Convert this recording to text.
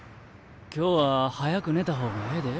今日は早く寝た方がええで。